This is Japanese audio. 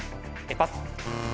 パス！